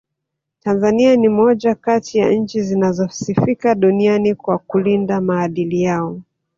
Tanzania ni moja kati ya nchi zinazosifika duniani kwa kulinda maadili yao